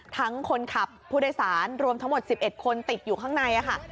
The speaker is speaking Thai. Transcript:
คนขับผู้โดยสารรวมทั้งหมด๑๑คนติดอยู่ข้างในค่ะ